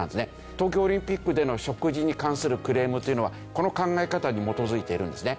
東京オリンピックでの食事に関するクレームというのはこの考え方に基づいているんですね。